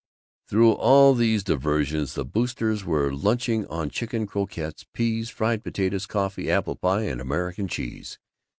Through all these diversions the Boosters were lunching on chicken croquettes, peas, fried potatoes, coffee, apple pie, and American cheese.